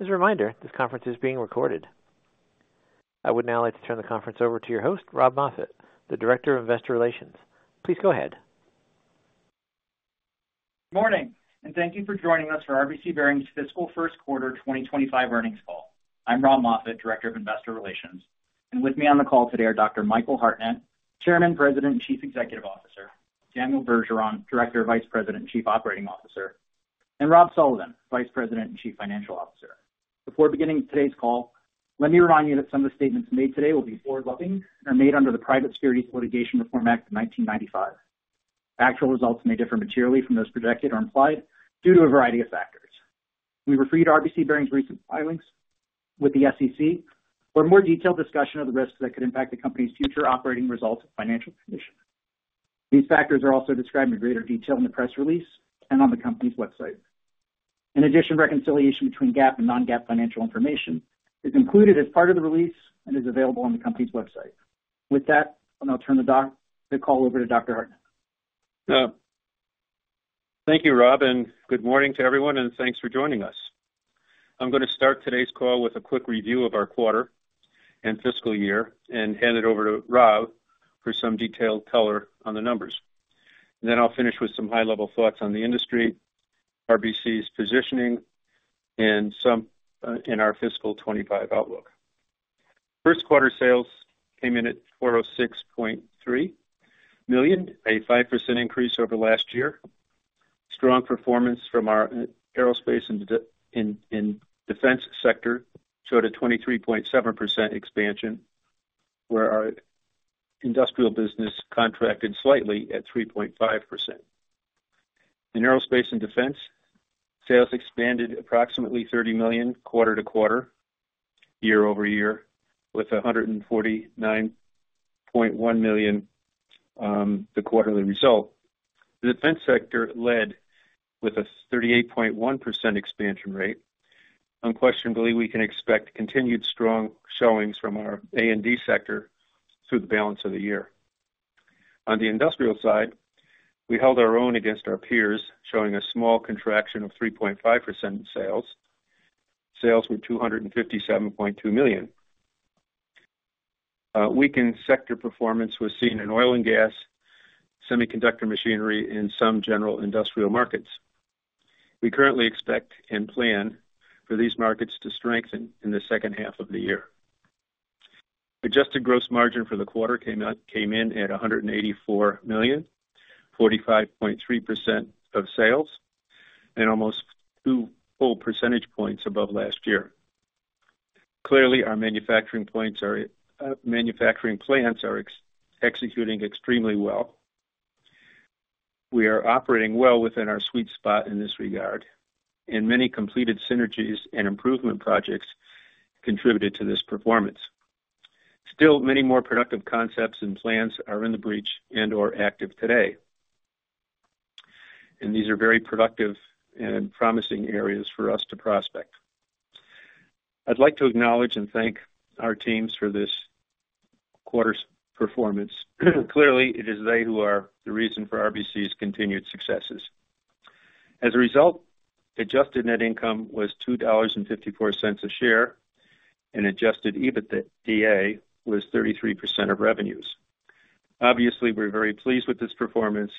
As a reminder, this conference is being recorded. I would now like to turn the conference over to your host, Rob Moffatt, Director of Investor Relations. Please go ahead. Good morning, and thank you for joining us for RBC Bearings' fiscal first quarter 2025 earnings call. I'm Rob Moffatt, Director of Investor Relations. And with me on the call today are Dr. Michael Hartnett, Chairman, President, and Chief Executive Officer; Daniel Bergeron, Director, Vice President, and Chief Operating Officer; and Rob Sullivan, Vice President and Chief Financial Officer. Before beginning today's call, let me remind you that some of the statements made today will be forward-looking and are made under the Private Securities Litigation Reform Act of 1995. Actual results may differ materially from those projected or implied due to a variety of factors. We refer to RBC Bearings' recent filings with the SEC for a more detailed discussion of the risks that could impact the company's future operating results and financial condition. These factors are also described in greater detail in the press release and on the company's website. In addition, reconciliation between GAAP and non-GAAP financial information is included as part of the release and is available on the company's website. With that, I'll now turn the call over to Dr. Hartnett. Thank you, Rob, and good morning to everyone, and thanks for joining us. I'm going to start today's call with a quick review of our quarter and fiscal year and hand it over to Rob for some detailed color on the numbers. Then I'll finish with some high-level thoughts on the industry, RBC's positioning, and some, in our fiscal 2025 outlook. First quarter sales came in at $406.3 million, a 5% increase over last year. Strong performance from our aerospace and defense sector showed a 23.7% expansion, where our industrial business contracted slightly at 3.5%. In aerospace and defense, sales expanded approximately $30 million quarter to quarter, year-over-year, with $149.1 million, the quarterly result. The defense sector led with a 38.1% expansion rate. Unquestionably, we can expect continued strong showings from our A&D sector through the balance of the year. On the industrial side, we held our own against our peers, showing a small contraction of 3.5% in sales. Sales were $257.2 million. Weakened sector performance was seen in oil and gas, semiconductor machinery, and some general industrial markets. We currently expect and plan for these markets to strengthen in the second half of the year. Adjusted gross margin for the quarter came in at $184 million, 45.3% of sales, and almost two full percentage points above last year. Clearly, our manufacturing plants are executing extremely well. We are operating well within our sweet spot in this regard, and many completed synergies and improvement projects contributed to this performance. Still, many more productive concepts and plans are in the breach and/or active today, and these are very productive and promising areas for us to prospect. I'd like to acknowledge and thank our teams for this quarter's performance. Clearly, it is they who are the reason for RBC's continued successes. As a result, adjusted net income was $2.54 a share, and adjusted EBITDA was 33% of revenues. Obviously, we're very pleased with this performance,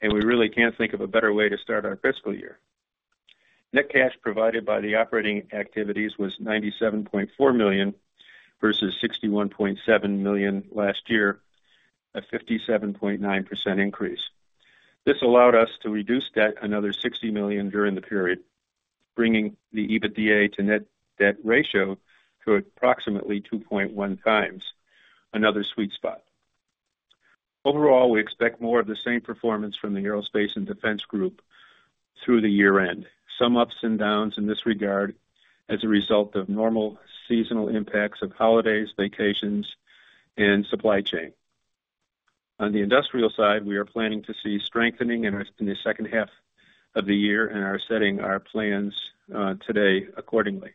and we really can't think of a better way to start our fiscal year. Net cash provided by the operating activities was $97.4 million versus $61.7 million last year, a 57.9% increase. This allowed us to reduce debt another $60 million during the period, bringing the EBITDA to net debt ratio to approximately 2.1 times another sweet spot. Overall, we expect more of the same performance from the aerospace and defense group through the year-end. Some ups and downs in this regard as a result of normal seasonal impacts of holidays, vacations, and supply chain. On the industrial side, we are planning to see strengthening in the second half of the year and are setting our plans today accordingly.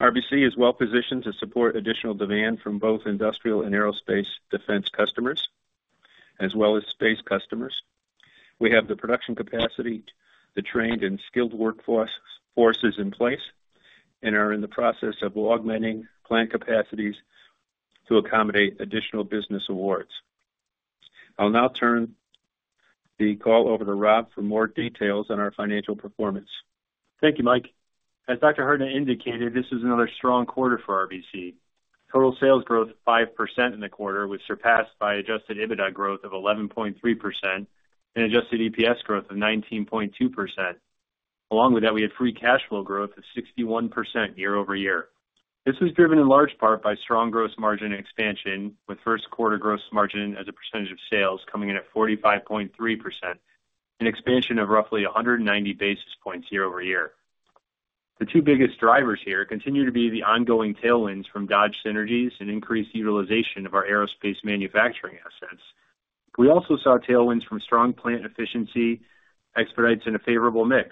RBC is well positioned to support additional demand from both industrial and aerospace defense customers as well as space customers. We have the production capacity, the trained and skilled workforce in place, and are in the process of augmenting plant capacities to accommodate additional business awards. I'll now turn the call over to Rob for more details on our financial performance. Thank you, Mike. As Dr. Hartnett indicated, this was another strong quarter for RBC. Total sales growth of 5% in the quarter was surpassed by adjusted EBITDA growth of 11.3% and adjusted EPS growth of 19.2%. Along with that, we had free cash flow growth of 61% year-over-year. This was driven in large part by strong gross margin expansion, with first quarter gross margin as a percentage of sales coming in at 45.3% and expansion of roughly 190 basis points year-over-year. The two biggest drivers here continue to be the ongoing tailwinds from Dodge synergies and increased utilization of our aerospace manufacturing assets. We also saw tailwinds from strong plant efficiency expedites in a favorable mix.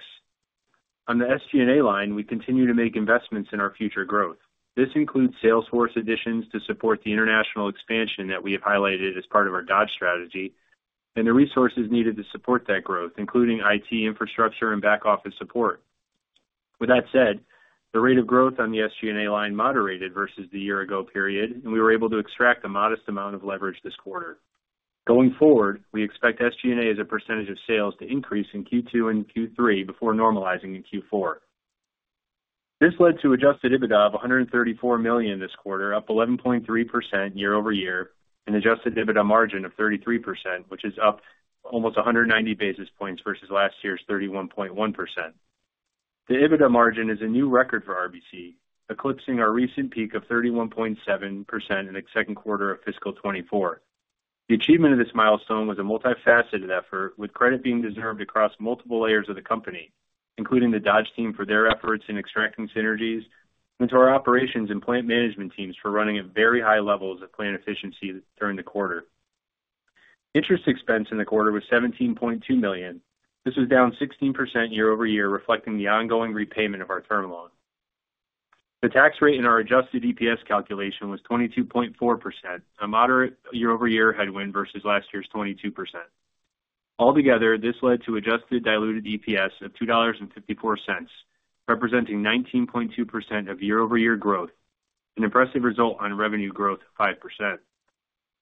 On the SG&A line, we continue to make investments in our future growth. This includes sales force additions to support the international expansion that we have highlighted as part of our Dodge strategy and the resources needed to support that growth, including IT infrastructure and back office support. With that said, the rate of growth on the SG&A line moderated versus the year-ago period, and we were able to extract a modest amount of leverage this quarter. Going forward, we expect SG&A as a percentage of sales to increase in Q2 and Q3 before normalizing in Q4. This led to adjusted EBITDA of $134 million this quarter, up 11.3% year-over-year, and adjusted EBITDA margin of 33%, which is up almost 190 basis points versus last year's 31.1%. The EBITDA margin is a new record for RBC, eclipsing our recent peak of 31.7% in the second quarter of fiscal 2024. The achievement of this milestone was a multifaceted effort, with credit being deserved across multiple layers of the company, including the Dodge team for their efforts in extracting synergies, and to our operations and plant management teams for running at very high levels of plant efficiency during the quarter. Interest expense in the quarter was $17.2 million. This was down 16% year-over-year, reflecting the ongoing repayment of our term loan. The tax rate in our adjusted EPS calculation was 22.4%, a moderate year-over-year headwind versus last year's 22%. Altogether, this led to adjusted diluted EPS of $2.54, representing 19.2% year-over-year growth, an impressive result on revenue growth of 5%.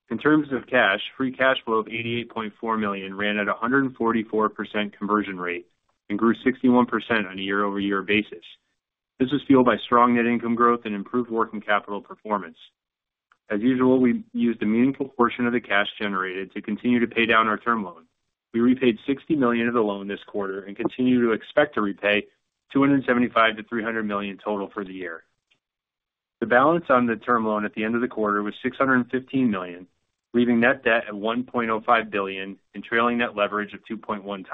In terms of cash, free cash flow of $88.4 million ran at a 144% conversion rate and grew 61% on a year-over-year basis. This was fueled by strong net income growth and improved working capital performance. As usual, we used a meaningful portion of the cash generated to continue to pay down our term loan. We repaid $60 million of the loan this quarter and continue to expect to repay $275 million-$300 million total for the year. The balance on the term loan at the end of the quarter was $615 million, leaving net debt at $1.05 billion and trailing net leverage of 2.1x.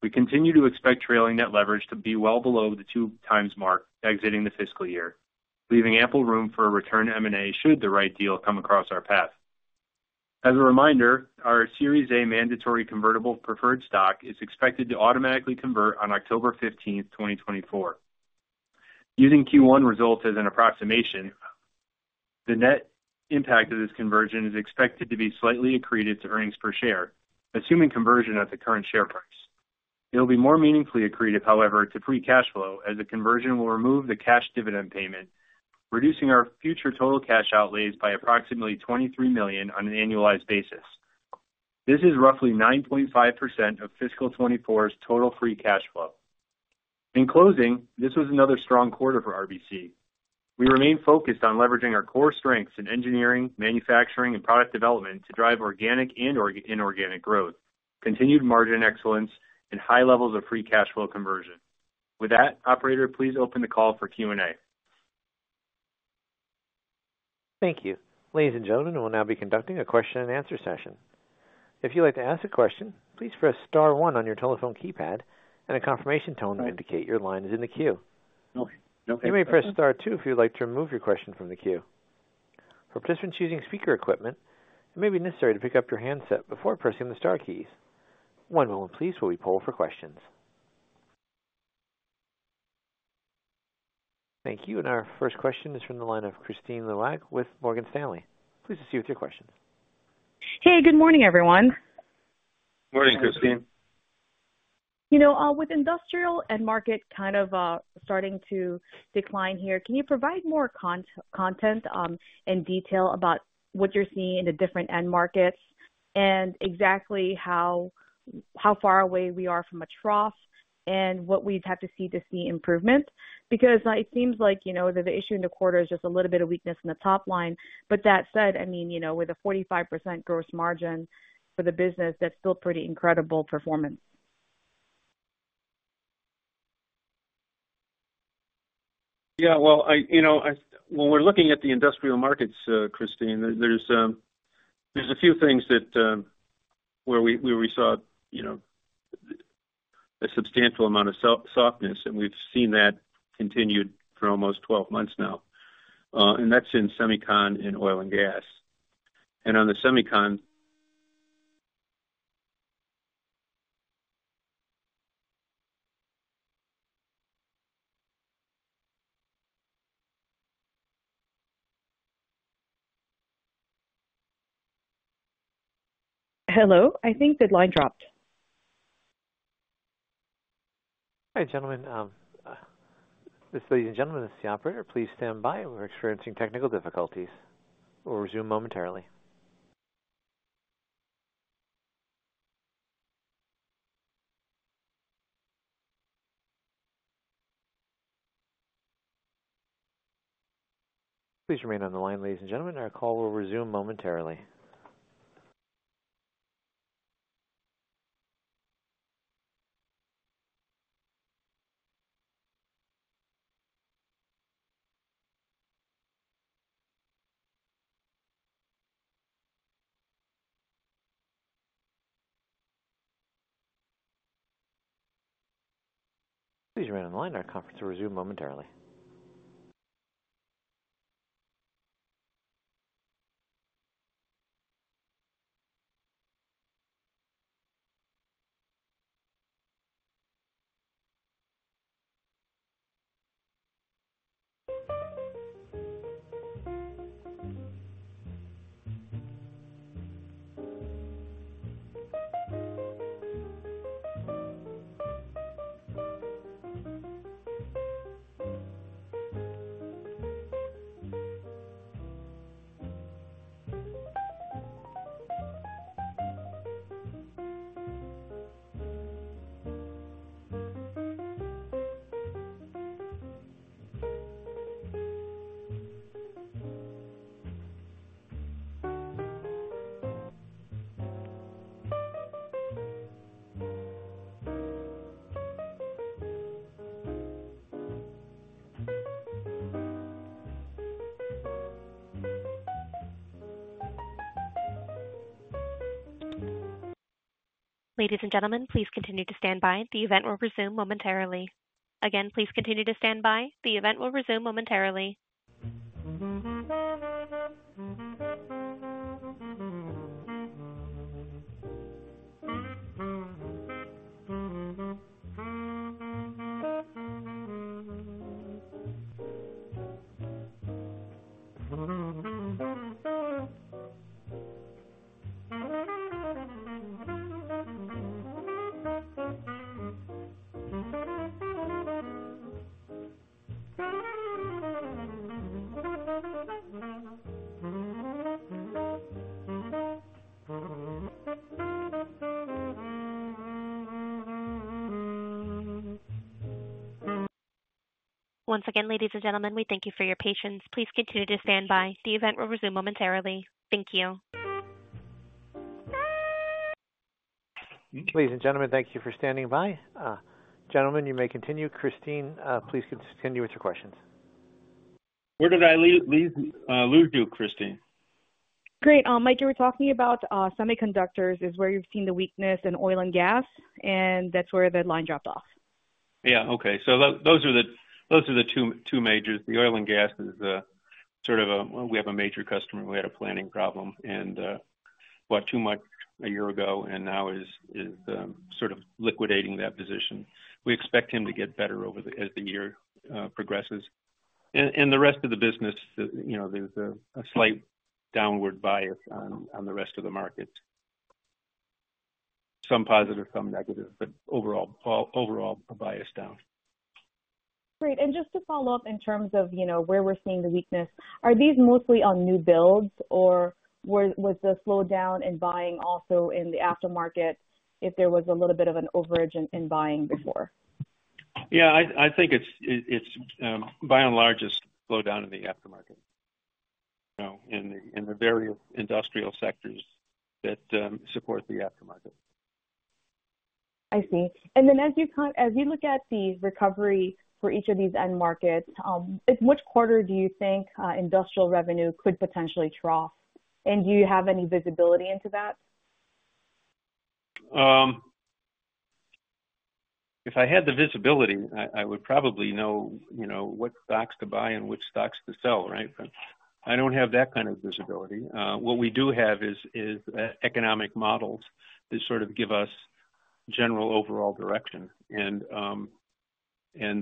We continue to expect trailing net leverage to be well below the 2x mark exiting the fiscal year, leaving ample room for a return to M&A should the right deal come across our path. As a reminder, our Series A Mandatory Convertible Preferred Stock is expected to automatically convert on October 15th, 2024. Using Q1 results as an approximation, the net impact of this conversion is expected to be slightly accretive to earnings per share, assuming conversion at the current share price. It'll be more meaningfully accretive, however, to free cash flow, as the conversion will remove the cash dividend payment, reducing our future total cash outlays by approximately $23 million on an annualized basis. This is roughly 9.5% of fiscal 2024's total free cash flow. In closing, this was another strong quarter for RBC. We remained focused on leveraging our core strengths in engineering, manufacturing, and product development to drive organic and organic inorganic growth, continued margin excellence, and high levels of free cash flow conversion. With that, operator, please open the call for Q&A. Thank you. Ladies and gentlemen, we'll now be conducting a question-and-answer session. If you'd like to ask a question, please press Star 1 on your telephone keypad, and a confirmation tone will indicate your line is in the queue. You may press Star 2 if you'd like to remove your question from the queue. For participants using speaker equipment, it may be necessary to pick up your handset before pressing the Star keys. One moment, please, while we poll for questions. Thank you. And our first question is from the line of Kristine Liwag with Morgan Stanley. Please proceed with your question. Hey, good morning, everyone. Morning, Kristine. You know, with industrial end market kind of starting to decline here, can you provide more context in detail about what you're seeing in the different end markets and exactly how far away we are from a trough and what we'd have to see to see improvement? Because it seems like, you know, the issue in the quarter is just a little bit of weakness in the top line. But that said, I mean, you know, with a 45% gross margin for the business, that's still pretty incredible performance. Yeah. Well, you know, when we're looking at the industrial markets, Kristine, there's a few things that, where we saw, you know, a substantial amount of softness, and we've seen that continued for almost 12 months now. And that's in semicon and oil and gas. And on the semicon Hello? I think the line dropped. Hi, gentlemen. This is ladies and gentlemen. This is the operator. Please stand by. We're experiencing technical difficulties. We'll resume momentarily. Please remain on the line, ladies and gentlemen. Our call will resume momentarily. Please remain on the line. Our conference will resume momentarily. Ladies and gentlemen, please continue to stand by. The event will resume momentarily. Again, please continue to stand by. The event will resume momentarily. Once again, ladies and gentlemen, we thank you for your patience. Please continue to stand by. The event will resume momentarily. Thank you. Ladies and gentlemen, thank you for standing by. Gentlemen, you may continue. Kristine, please confirm your questions. Where did I lose you, Kristine? Great. Mike, you were talking about semiconductors is where you've seen the weakness in oil and gas, and that's where the line dropped off. Yeah. Okay. So those are the two majors. The oil and gas is sort of a—we have a major customer. We had a planning problem and bought too much a year ago, and now is sort of liquidating that position. We expect him to get better over the as the year progresses. And the rest of the business, you know, there's a slight downward bias on the rest of the markets. Some positive, some negative, but overall a bias down. Great. And just to follow up in terms of, you know, where we're seeing the weakness, are these mostly on new builds, or was the slowdown in buying also in the aftermarket if there was a little bit of an overage in buying before? Yeah. I think it's, by and large, a slowdown in the aftermarket. You know, in the various industrial sectors that support the aftermarket. I see. And then as you look at the recovery for each of these end markets, in which quarter do you think industrial revenue could potentially trough? And do you have any visibility into that? If I had the visibility, I would probably know, you know, what stocks to buy and which stocks to sell, right? But I don't have that kind of visibility. What we do have is economic models that sort of give us general overall direction. And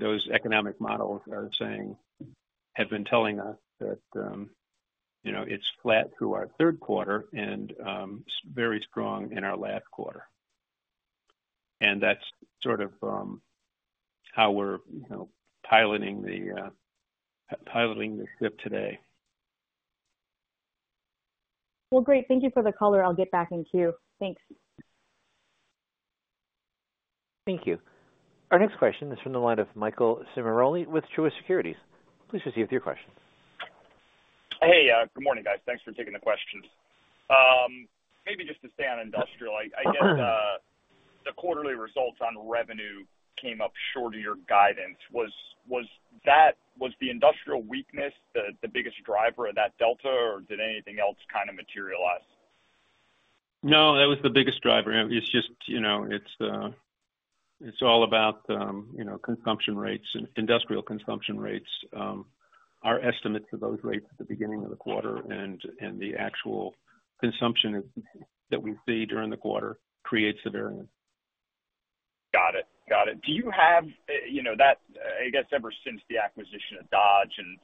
those economic models are saying have been telling us that, you know, it's flat through our third quarter and very strong in our last quarter. And that's sort of how we're, you know, piloting the ship today. Well, great. Thank you for the call, or I'll get back in queue. Thanks. Thank you. Our next question is from the line of Michael Ciarmoli with Truist Securities. Please proceed with your question. Hey, good morning, guys. Thanks for taking the questions. Maybe just to stay on industrial, I guess, the quarterly results on revenue came up short of your guidance. Was that the industrial weakness the biggest driver of that delta, or did anything else kind of materialize? No, that was the biggest driver. It's just, you know, it's, it's all about, you know, consumption rates and industrial consumption rates. Our estimates of those rates at the beginning of the quarter and the actual consumption that we see during the quarter creates the variance. Got it. Got it. Do you have, you know, that, I guess, ever since the acquisition of Dodge and,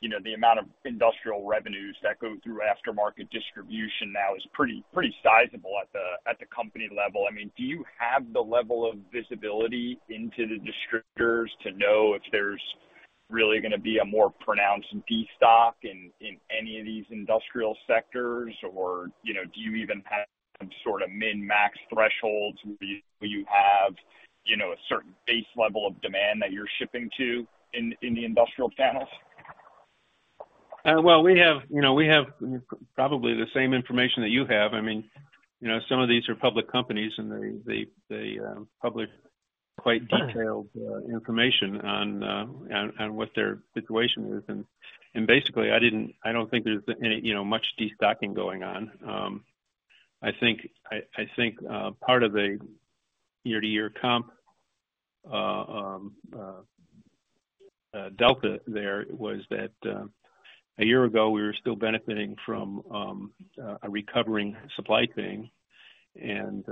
you know, the amount of industrial revenues that go through aftermarket distribution now is pretty, pretty sizable at the at the company level. I mean, do you have the level of visibility into the distributors to know if there's really gonna be a more pronounced destocking in, in any of these industrial sectors, or, you know, do you even have sort of min max thresholds where you, you have, you know, a certain base level of demand that you're shipping to in, in the industrial channels? Well, we have, you know, we have probably the same information that you have. I mean, you know, some of these are public companies, and they publish quite detailed information on what their situation is. And basically, I don't think there's any, you know, much destocking going on. I think part of the year-to-year comp delta there was that, a year ago, we were still benefiting from a recovering supply chain and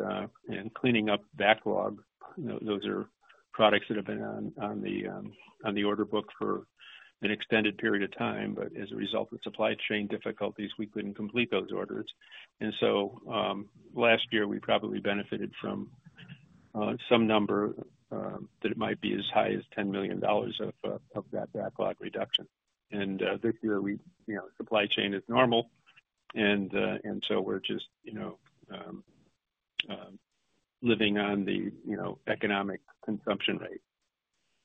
cleaning up backlog. You know, those are products that have been on the order book for an extended period of time. But as a result of supply chain difficulties, we couldn't complete those orders. And so, last year, we probably benefited from some number that might be as high as $10 million of that backlog reduction. This year, we, you know, supply chain is normal, and so we're just, you know, living on the, you know, economic consumption rate.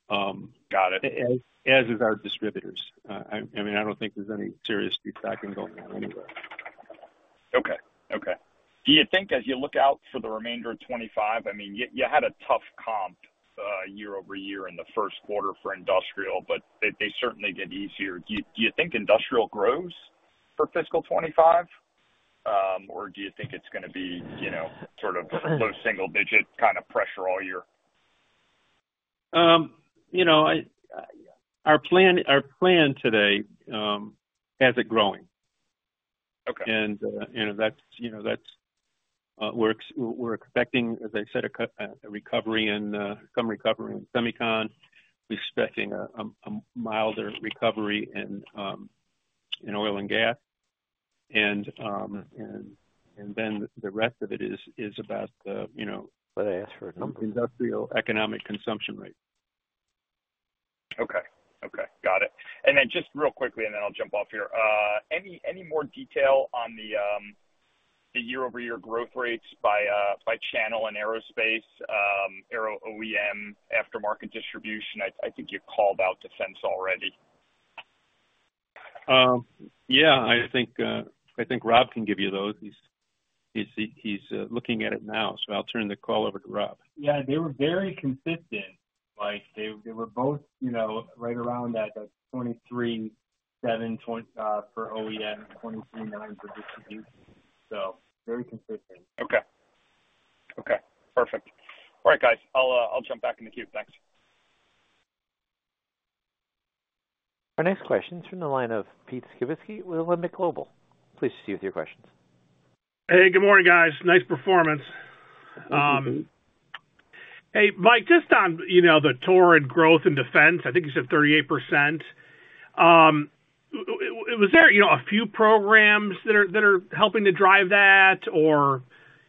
Got it. As is our distributors. I mean, I don't think there's any serious destocking going on anywhere. Okay. Do you think as you look out for the remainder of 2025, I mean, you had a tough comp year-over-year in the first quarter for industrial, but they certainly get easier. Do you think industrial grows for fiscal 2025, or do you think it's gonna be, you know, sort of low single-digit kind of pressure all year? You know, our plan today has it growing. Okay. And, you know, that's, you know, that's, we're expecting, as I said, a recovery in, some recovery in semicon. We're expecting a milder recovery in oil and gas. And then the rest of it is about the, you know. But I asked for it. Some industrial economic consumption rate. Okay. Okay. Got it. And then just real quickly, and then I'll jump off here. Any more detail on the year-over-year growth rates by channel and aerospace, aero OEM, aftermarket distribution? I think you called out defense already. Yeah. I think Rob can give you those. He's looking at it now, so I'll turn the call over to Rob. Yeah. They were very consistent. Like, they were both, you know, right around that 23.7% for OEM, 23.9% for distribution. So very consistent. Okay. Okay. Perfect. All right, guys. I'll, I'll jump back in the queue. Thanks. Our next question is from the line of Pete Skibitski with Alembic Global Advisors. Please proceed with your questions. Hey, good morning, guys. Nice performance. Good afternoon. Hey, Mike, just on, you know, the torque and growth in defense, I think you said 38%. Was there, you know, a few programs that are helping to drive that, or,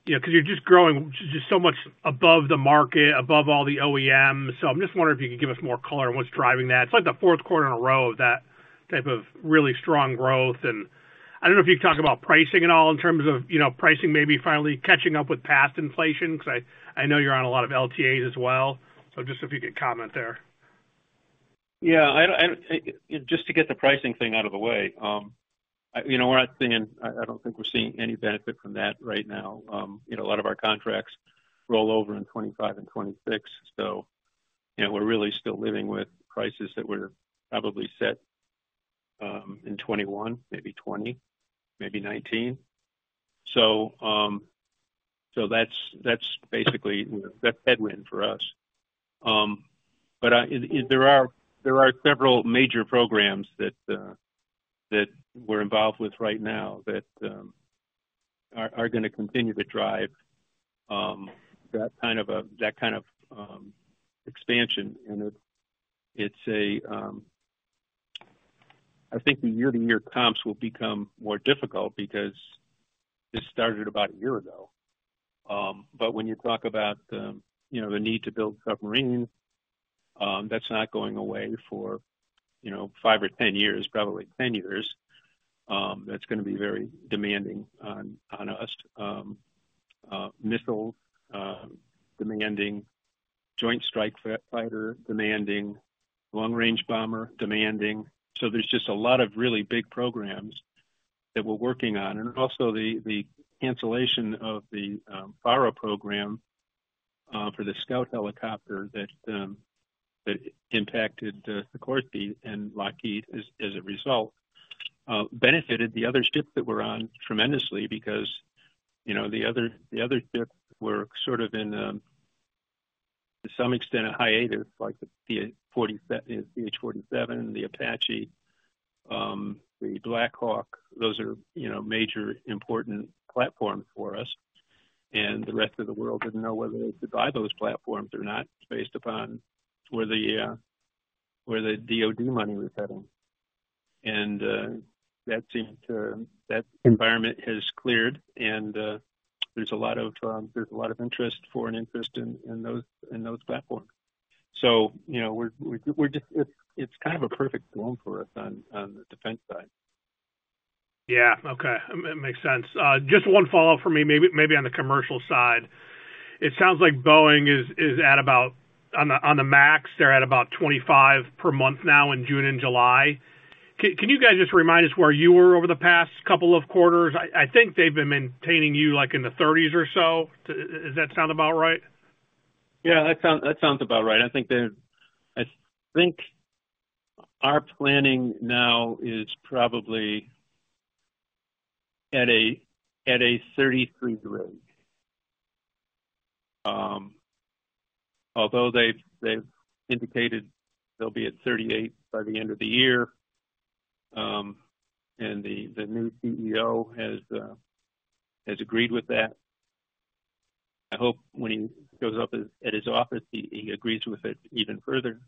you know, 'cause you're just growing just so much above the market, above all the OEMs. So I'm just wondering if you could give us more color on what's driving that. It's like the fourth quarter in a row of that type of really strong growth. And I don't know if you could talk about pricing at all in terms of, you know, pricing maybe finally catching up with past inflation 'cause I know you're on a lot of LTAs as well. So just if you could comment there. Yeah. And just to get the pricing thing out of the way, you know, we're not seeing—I don't think we're seeing any benefit from that right now. You know, a lot of our contracts roll over in 2025 and 2026. So, you know, we're really still living with prices that were probably set in 2021, maybe 2020, maybe 2019. So that's basically, you know, that's headwind for us. But it there are several major programs that we're involved with right now that are gonna continue to drive that kind of expansion. And it's, I think the year-to-year comps will become more difficult because this started about a year ago. But when you talk about, you know, the need to build submarines, that's not going away for, you know, five or 10 years, probably 10 years. That's gonna be very demanding on, on us. Missiles, demanding Joint Strike Fighter, demanding long-range bomber, demanding, so there's just a lot of really big programs that we're working on. And also the cancellation of the FARA program for the Scout helicopter that impacted Bell and Lockheed. As a result, benefited the other ships that were on tremendously because, you know, the other ships were sort of in, to some extent, a hiatus, like the CH-47, the Apache, the Black Hawk. Those are, you know, major important platforms for us. And the rest of the world didn't know whether they could buy those platforms or not based upon where the, where the DOD money was heading. That environment has cleared, and there's a lot of interest, foreign interest in those platforms. So, you know, we're just, it's kind of a perfect storm for us on the defense side. Yeah. Okay. I mean, it makes sense. Just one follow-up for me, maybe, maybe on the commercial side. It sounds like Boeing is, is at about on the on the max, they're at about 25 per month now in June and July. Can you guys just remind us where you were over the past couple of quarters? I think they've been maintaining you like in the 30s or so. Does that sound about right? Yeah. That sounds about right. I think our planning now is probably at a 33 rate. Although they've indicated they'll be at 38 by the end of the year, and the new CEO has agreed with that. I hope when he shows up at his office, he agrees with it even further.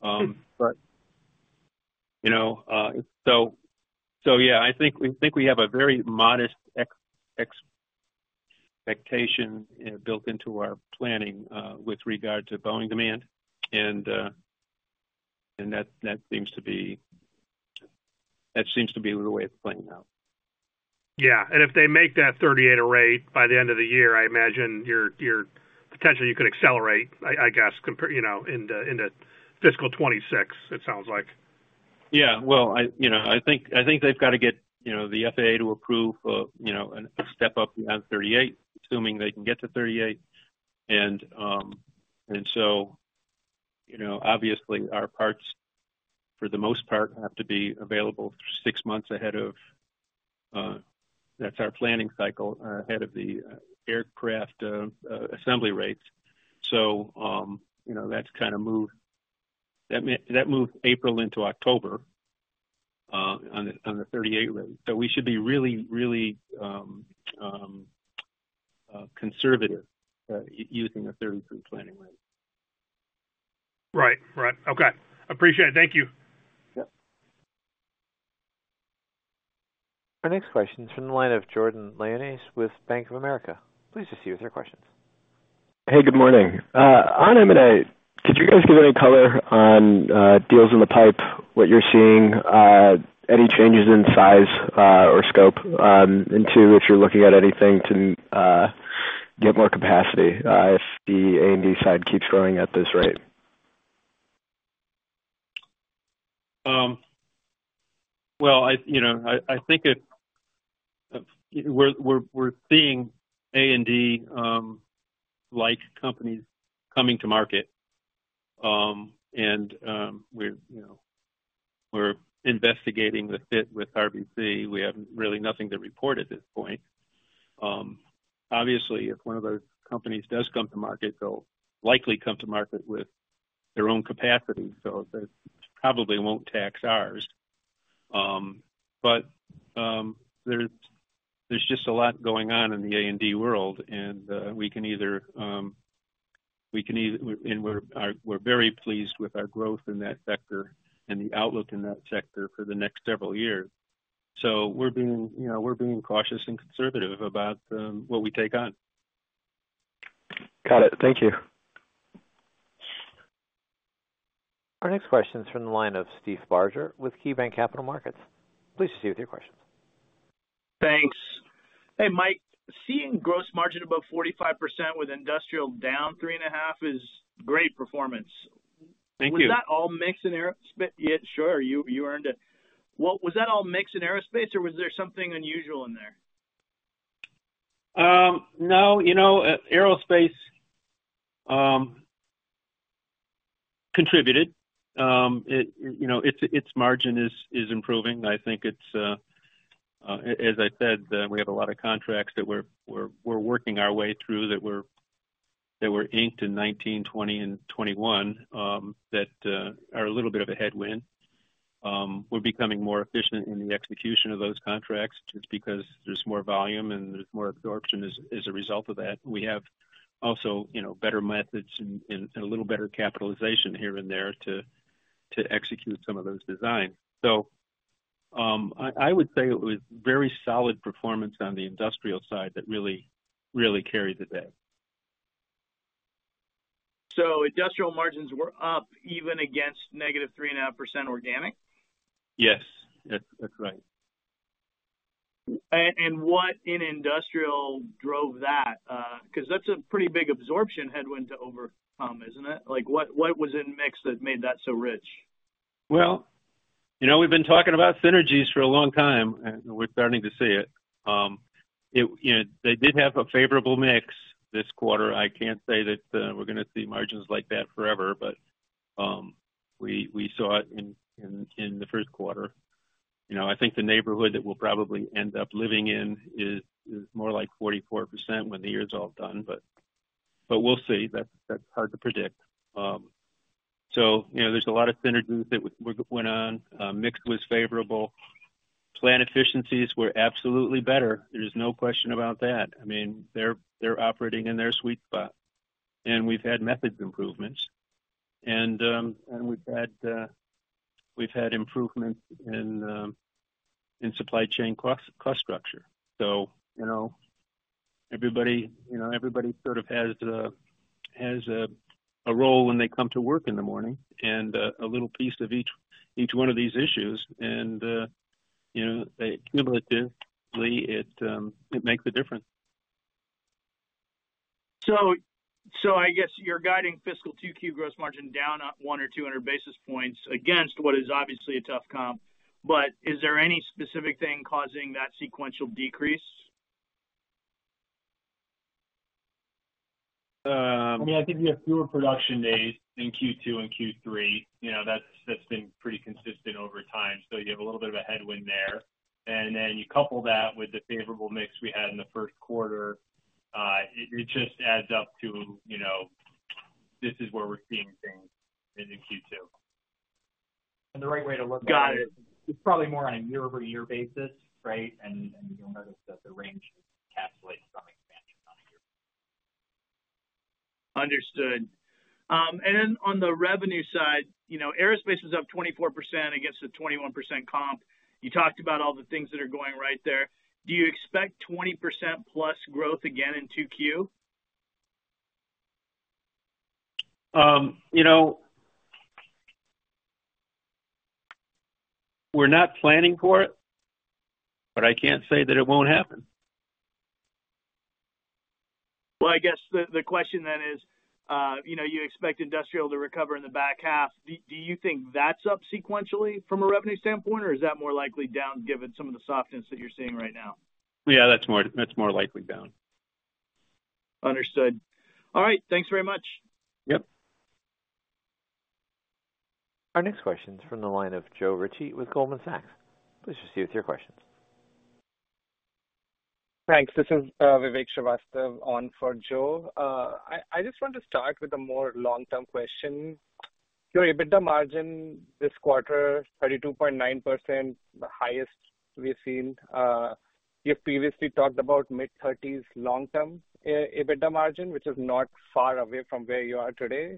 But, you know, so yeah, I think we have a very modest expectation, you know, built into our planning, with regard to Boeing demand. And that seems to be the way it's playing out. Yeah. And if they make that 38 rate by the end of the year, I imagine you could potentially accelerate, I guess, comps, you know, into fiscal 2026, it sounds like. Yeah. Well, you know, I think they've got to get, you know, the FAA to approve, you know, a step up beyond 38, assuming they can get to 38. And so, you know, obviously, our parts, for the most part, have to be available 6 months ahead of, that's our planning cycle, ahead of the aircraft assembly rates. So, you know, that's kind of moved April into October, on the 38 rate. So we should be really, really conservative, using a 33 planning rate. Right. Right. Okay. Appreciate it. Thank you. Yep. Our next question is from the line of Jordan Lyonnais with Bank of America. Please proceed with your questions. Hey, good morning. On M&A, could you guys give any color on deals in the pipe, what you're seeing, any changes in size or scope, into if you're looking at anything to get more capacity, if the A&D side keeps growing at this rate? Well, you know, I think we're seeing A&D like companies coming to market. And we're, you know, investigating the fit with RBC. We have really nothing to report at this point. Obviously, if one of those companies does come to market, they'll likely come to market with their own capacity. So that probably won't tax ours. But there's just a lot going on in the A&D world, and we're very pleased with our growth in that sector and the outlook in that sector for the next several years. So we're being, you know, cautious and conservative about what we take on. Got it. Thank you. Our next question is from the line of Steve Barger with KeyBanc Capital Markets. Please proceed with your questions. Thanks. Hey, Mike, seeing gross margin above 45% with industrial down 3.5% is great performance. Thank you. Was that all mix in aerospace? Yeah, sure. You earned it. What was that all mix in aerospace, or was there something unusual in there? No. You know, aerospace contributed. It, you know, its margin is improving. I think it's, as I said, we have a lot of contracts that we're working our way through that we're inked in 2019, 2020, and 2021, that are a little bit of a headwind. We're becoming more efficient in the execution of those contracts just because there's more volume and there's more absorption as a result of that. We have also, you know, better methods and a little better capitalization here and there to execute some of those designs. So, I would say it was very solid performance on the industrial side that really, really carried the day. So industrial margins were up even against -3.5% organic? Yes. That's, that's right. And what in industrial drove that? 'Cause that's a pretty big absorption headwind to overcome, isn't it? Like, what, what was in mix that made that so rich? Well, you know, we've been talking about synergies for a long time, and we're starting to see it. You know, they did have a favorable mix this quarter. I can't say that we're gonna see margins like that forever, but we saw it in the first quarter. You know, I think the neighborhood that we'll probably end up living in is more like 44% when the year's all done. But we'll see. That's hard to predict. So, you know, there's a lot of synergies that we're going on. Mix was favorable. Plant efficiencies were absolutely better. There's no question about that. I mean, they're operating in their sweet spot. And we've had methods improvements. And we've had improvements in supply chain cost structure. So, you know, everybody sort of has a role when they come to work in the morning and a little piece of each one of these issues. And, you know, cumulatively, it makes a difference. So, I guess you're guiding fiscal 2Q gross margin down 1 or 200 basis points against what is obviously a tough comp. But is there any specific thing causing that sequential decrease? I mean, I think we have fewer production days in Q2 and Q3. You know, that's been pretty consistent over time. So you have a little bit of a headwind there. And then you couple that with the favorable mix we had in the first quarter, it just adds up to, you know, this is where we're seeing things in Q2. The right way to look at it. Got it. It's probably more on a year-over-year basis, right? And, and you'll notice that the range encapsulates some expansion on a year. Understood. Then on the revenue side, you know, aerospace is up 24% against a 21% comp. You talked about all the things that are going right there. Do you expect 20%-plus growth again in 2Q? You know, we're not planning for it, but I can't say that it won't happen. Well, I guess the question then is, you know, you expect industrial to recover in the back half. Do you think that's up sequentially from a revenue standpoint, or is that more likely down given some of the softness that you're seeing right now? Yeah. That's more likely down. Understood. All right. Thanks very much. Yep. Our next question is from the line of Joe Ritchie with Goldman Sachs. Please proceed with your questions. Thanks. This is Vivek Srivastava on for Joe. I just want to start with a more long-term question. Your EBITDA margin this quarter, 32.9%, the highest we've seen. You've previously talked about mid-30s long-term EBITDA margin, which is not far away from where you are today.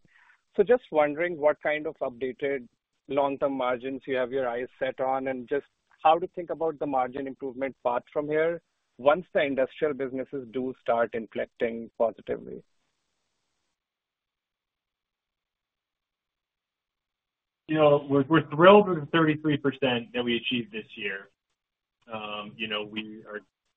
So just wondering what kind of updated long-term margins you have your eyes set on and just how to think about the margin improvement path from here once the industrial businesses do start inflecting positively. You know, we're thrilled with the 33% that we achieved this year. You know,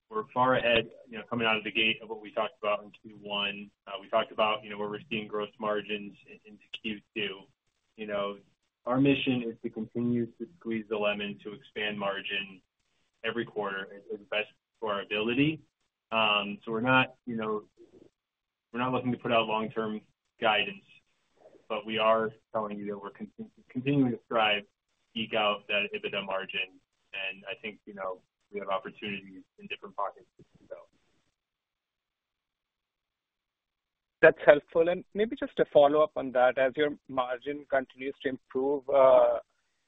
we're far ahead, you know, coming out of the gate of what we talked about in Q1. We talked about, you know, where we're seeing gross margins in Q2. You know, our mission is to continue to squeeze the lemon to expand margin every quarter as best to our ability. So we're not, you know, we're not looking to put out long-term guidance, but we are telling you that we're continuing to strive, seek out that EBITDA margin. And I think, you know, we have opportunities in different pockets to do so. That's helpful. Maybe just a follow-up on that. As your margin continues to improve,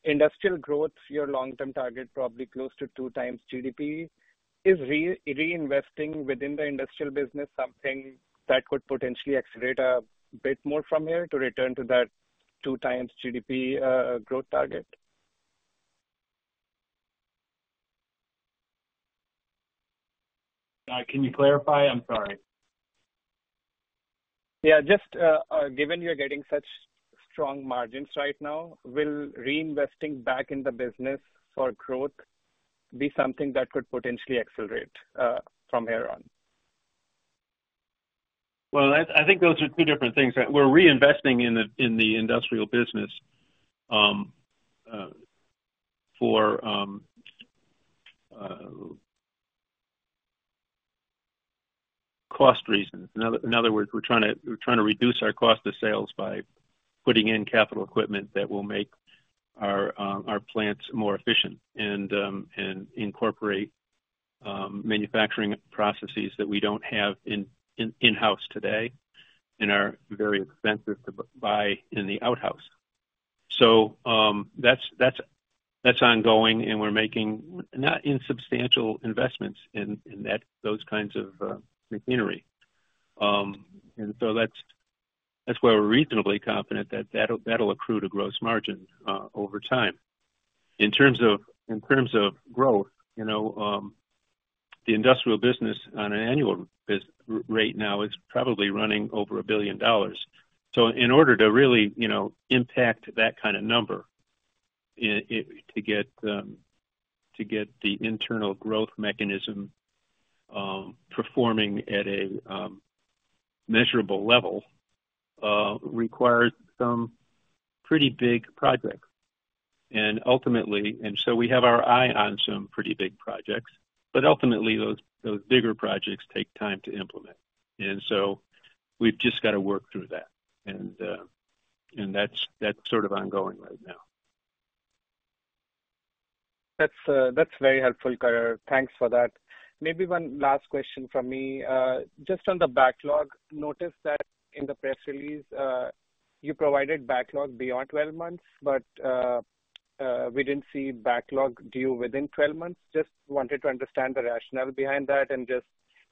industrial growth, your long-term target probably close to two times GDP. Is reinvesting within the industrial business something that could potentially accelerate a bit more from here to return to that two times GDP, growth target? Can you clarify? I'm sorry. Yeah. Just, given you're getting such strong margins right now, will reinvesting back in the business for growth be something that could potentially accelerate from here on? Well, I think those are two different things. We're reinvesting in the industrial business, for cost reasons. In other words, we're trying to reduce our cost of sales by putting in capital equipment that will make our plants more efficient and incorporate manufacturing processes that we don't have in-house today and are very expensive to buy from outside. So, that's ongoing, and we're making not insubstantial investments in those kinds of machinery. And so that's why we're reasonably confident that that'll accrue to gross margin, over time. In terms of growth, you know, the industrial business on an annual run rate now is probably running over $1 billion. So in order to really, you know, impact that kind of number, it to get the internal growth mechanism performing at a measurable level requires some pretty big projects. And ultimately, and so we have our eye on some pretty big projects, but ultimately, those bigger projects take time to implement. And so we've just got to work through that. And that's sort of ongoing right now. That's, that's very helpful. Thanks for that. Maybe one last question from me. Just on the backlog, noticed that in the press release, you provided backlog beyond 12 months, but we didn't see backlog due within 12 months. Just wanted to understand the rationale behind that and just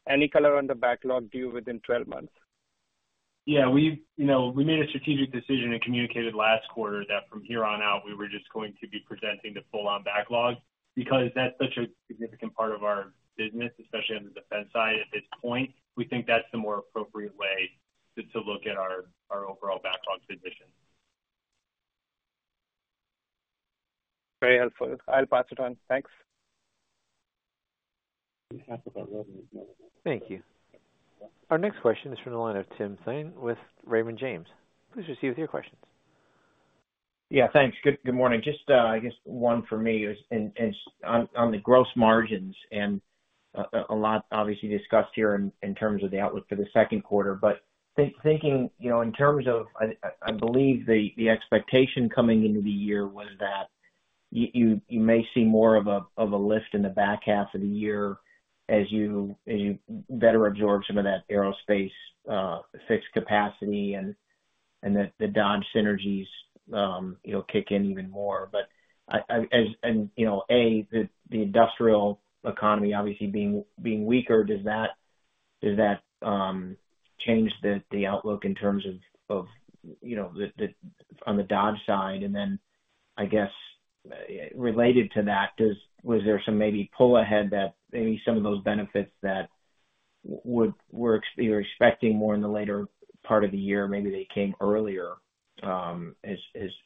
any color on the backlog due within 12 months. Yeah. We, you know, we made a strategic decision and communicated last quarter that from here on out, we were just going to be presenting the full-on backlog because that's such a significant part of our business, especially on the defense side at this point. We think that's the more appropriate way to look at our overall backlog position. Very helpful. I'll pass it on. Thanks. Thank you. Our next question is from the line of Tim Thein with Raymond James. Please proceed with your questions. Yeah. Thanks. Good morning. Just, I guess one for me is in on the gross margins and a lot obviously discussed here in terms of the outlook for the second quarter. But thinking, you know, in terms of, I believe the expectation coming into the year was that you may see more of a lift in the back half of the year as you better absorb some of that aerospace fixed capacity and that the Dodge synergies, you know, kick in even more. But as and, you know, as the industrial economy obviously being weaker. Does that change the outlook in terms of, you know, the on the Dodge side? And then I guess, related to that, was there some maybe pull ahead that maybe some of those benefits that were expected you were expecting more in the later part of the year, maybe they came earlier, as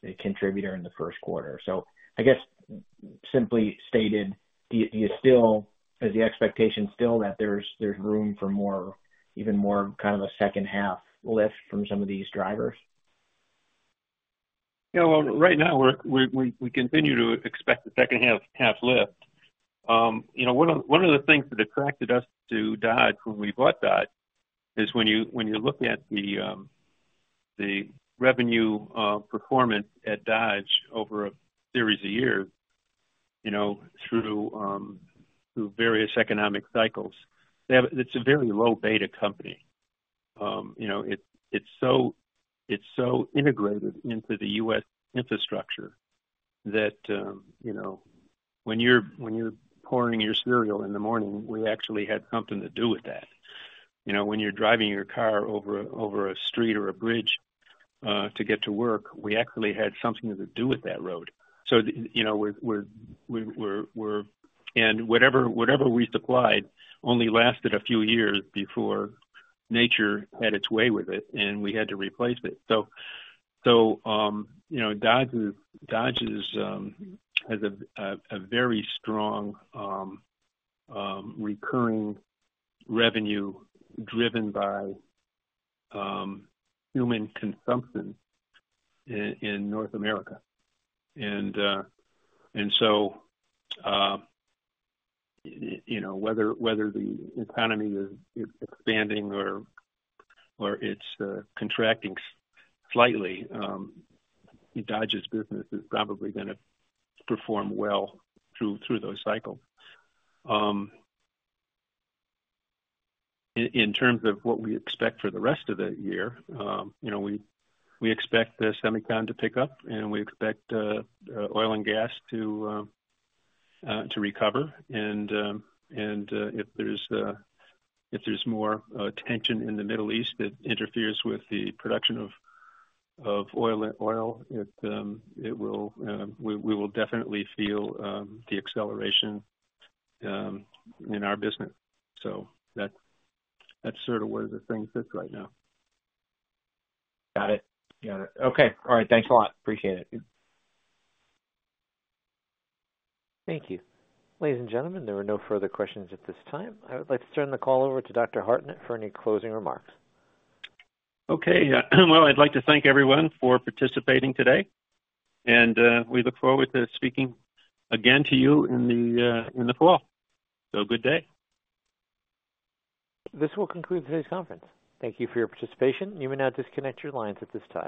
a contributor in the first quarter? So I guess simply stated, do you still is the expectation still that there's room for more, even more kind of a second half lift from some of these drivers? You know, well, right now, we continue to expect the second half lift. You know, one of the things that attracted us to Dodge when we bought Dodge is when you look at the revenue performance at Dodge over a series of years, you know, through various economic cycles, it's a very low beta company. You know, it's so integrated into the US infrastructure that, you know, when you're pouring your cereal in the morning, we actually had something to do with that. You know, when you're driving your car over a street or a bridge to get to work, we actually had something to do with that road. So, you know, we're. Whatever we supplied only lasted a few years before nature had its way with it, and we had to replace it. So, you know, Dodge has a very strong recurring revenue driven by human consumption in North America. And so, you know, whether the economy is expanding or it's contracting slightly, Dodge's business is probably gonna perform well through those cycles. In terms of what we expect for the rest of the year, you know, we expect the semiconductor to pick up, and we expect oil and gas to recover. And, if there's more tension in the Middle East that interferes with the production of oil, it will. We will definitely feel the acceleration in our business. So that's, that's sort of where the thing sits right now. Got it. Got it. Okay. All right. Thanks a lot. Appreciate it. Thank you. Ladies and gentlemen, there are no further questions at this time. I would like to turn the call over to Dr. Hartnett for any closing remarks. Okay. Well, I'd like to thank everyone for participating today. We look forward to speaking again to you in the fall. Good day. This will conclude today's conference. Thank you for your participation. You may now disconnect your lines at this time.